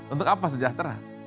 untuk apa sejahtera